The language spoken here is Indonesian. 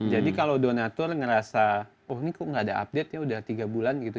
jadi kalau donator ngerasa oh ini kok nggak ada update nya udah tiga bulan gitu